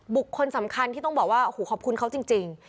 บุคคลสำคัญที่ต้องบอกว่าโอ้โหขอบคุณเขาจริง